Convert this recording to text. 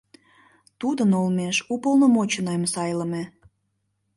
Тудын олмеш уполномоченныйым сайлыме.